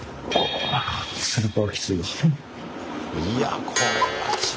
いやこれは。